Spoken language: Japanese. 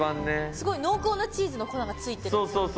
すごい濃厚なチーズの粉が付いてるんですよ。